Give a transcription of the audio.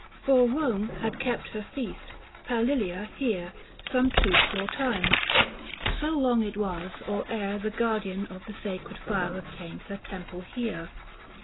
305 For Borne had kept her feast Palilia here Some two score times : so long it was. or e'er The guardian of the sacred fire obtained Her temple here.